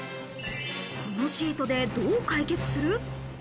このシートでどう解決する？